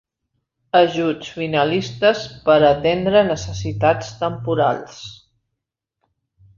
Ajuts finalistes per atendre necessitats temporals.